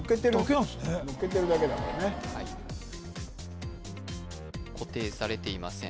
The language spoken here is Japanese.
載っけてるだけだからねはい固定されていません